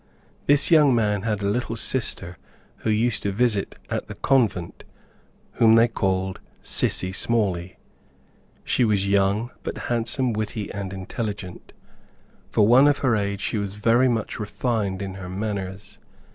This young man had a little sister who used to visit at the convent, whom they called Sissy Smalley. She was young, but handsome, witty and intelligent. For one of her age, she was very much refined in her manners.